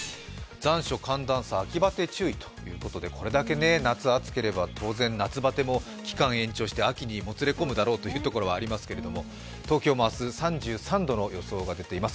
残暑、寒暖差、秋バテ注意ということで、これだけ夏、暑ければ当然夏バテも期間延長して秋にもつれ込むだろうというところはありますけれども東京も明日、３３度の予想が出ています。